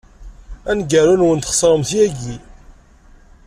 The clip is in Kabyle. Amgaru-nwen txeṣrem-t yagi.